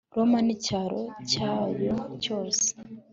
roma n'icyaro cyayo cyose